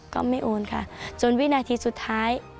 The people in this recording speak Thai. ก็ไม่โอนค่ะจนวินาทีสุดท้าย